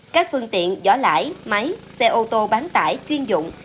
các phương tiện giỏ lãi máy xe ô tô bán tải chuyên dụng